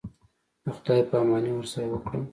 د خداى پاماني ورسره وكړم.